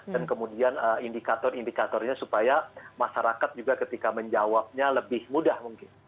dan kemudian indikator indikatornya supaya masyarakat juga ketika menjawabnya lebih mudah mungkin